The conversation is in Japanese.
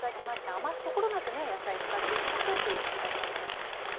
余すところなくね野菜使っていきましょうという飛田さんのお考えです。